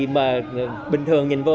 mà bình thường nhìn vô